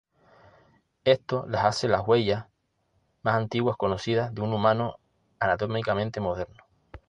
Esto las hace las huellas más antiguas conocidas de un humano anatómicamente moderno.